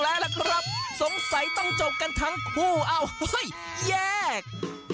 แล้วล่ะครับสงสัยต้องจบกันทั้งคู่อ้าวเฮ้ยแยก